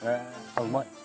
うまい。